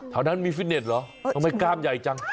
แถวนั้นมีฟิตเน็ตเหรอทำไมกล้ามใหญ่จัง